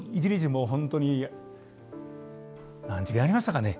もうホントに何時間やりましたかね